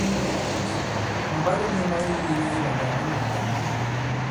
Màbwalo mē ma ke yīgi nyɛ i iwàndak di muùtǎŋ.